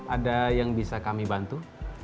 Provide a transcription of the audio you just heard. ada yang bisa kami bantu